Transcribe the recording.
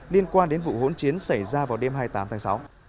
liên quan đến vụ hỗn chiến xảy ra vào đêm hai mươi tám tháng sáu